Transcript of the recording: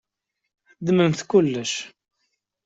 Ddmem kullec.